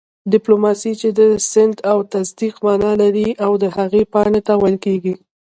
ډيپلوماسۍ چې د سند او تصديق مانا لري او هغې پاڼي ته ويل کيږي